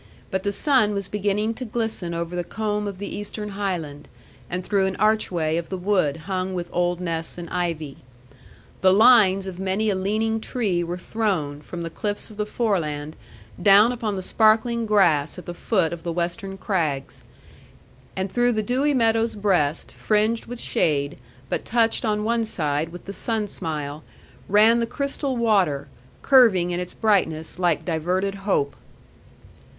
But the sun was beginning to glisten over the comb of the eastern highland, and through an archway of the wood hung with old nests and ivy. The lines of many a leaning tree were thrown, from the cliffs of the foreland, down upon the sparkling grass at the foot of the western crags. And through the dewy meadow's breast, fringed with shade, but touched on one side with the sun smile, ran the crystal water, curving in its brightness like diverted hope.